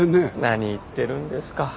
何言ってるんですか。